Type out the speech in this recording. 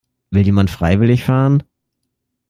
Will jemand freiwillig fahren?